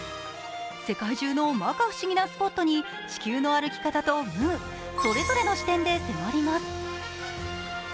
世界中の摩訶不思議なスポットに、「地球の歩き方」と「ムー」、それぞれの視点で迫ります。